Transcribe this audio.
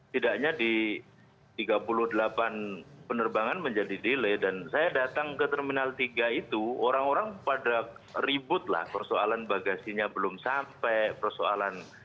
tidaknya di tiga puluh delapan penerbangan menjadi delay dan saya datang ke terminal tiga itu orang orang pada ribut lah persoalan bagasinya belum sampai persoalan